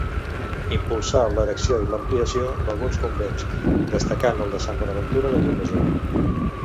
Impulsà l'erecció i l'ampliació d'alguns convents, destacant el de Sant Bonaventura de Llucmajor.